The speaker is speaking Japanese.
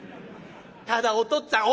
ただお父っつぁん」。